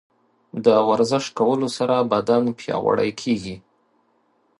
د ورزش کولو سره بدن پیاوړی کیږي.